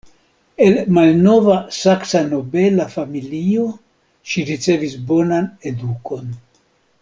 El malnova Saksa nobela familio, ŝi ricevis bonan edukon.